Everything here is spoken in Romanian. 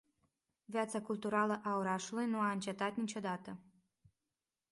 Viața culturală a orașului nu a încetat niciodată.